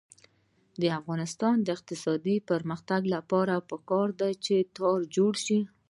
د افغانستان د اقتصادي پرمختګ لپاره پکار ده چې تار جوړ شي.